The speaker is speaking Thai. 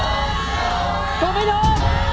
ถูกหรือไม่ถูก